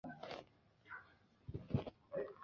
盾蕨为水龙骨科盾蕨属下的一个种。